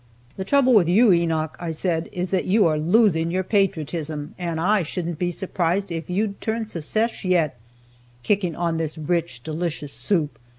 "The trouble with you, Enoch," I said, "is that you are losing your patriotism, and I shouldn't be surprised if you'd turn Secesh yet. Kicking on this rich, delicious soup!